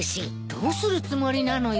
どうするつもりなのよ。